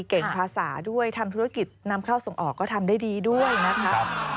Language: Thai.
เก่งภาษาด้วยทำธุรกิจนำเข้าส่งออกก็ทำได้ดีด้วยนะคะ